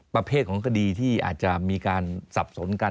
ประเภทของคดีที่อาจจะมีการสับสนกัน